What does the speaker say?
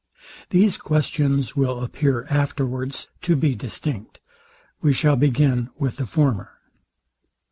These questions will appear afterwards to be distinct. We shall begin with the former.